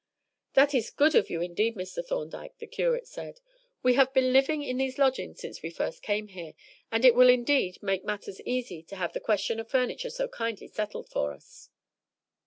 "That is good of you indeed, Mr. Thorndyke," the curate said. "We have been living in these lodgings since we first came here, and it will indeed make matters easy to have the question of furniture so kindly settled for us."